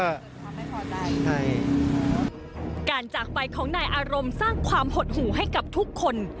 ทำให้พอใดค่ะการจากไปของนายอารมณ์สร้างความหดหูให้กับทุกคน